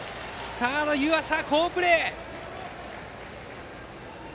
サードの湯浅、好プレー！